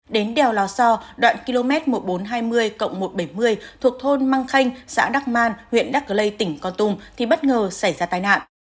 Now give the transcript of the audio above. đến đèo lò so đoạn km một nghìn bốn trăm hai mươi một trăm bảy mươi thuộc thôn măng khanh xã đắc man huyện đắc lây tỉnh con tum thì bất ngờ xảy ra tai nạn